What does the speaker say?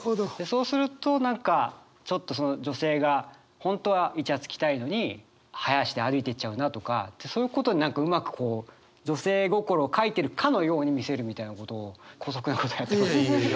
そうすると何かちょっとその女性が本当はいちゃつきたいのに早足で歩いていっちゃうなとかそういうことにうまくこう女性心を書いてるかのように見せるみたいなことをこそくなことをやってます。